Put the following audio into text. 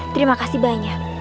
terima kasih banyak